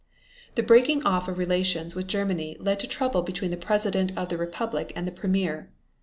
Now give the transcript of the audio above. The breaking off of relations with Germany led to trouble between the President of the Republic and the Premier.